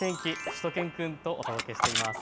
しゅと犬くんとお届けしています。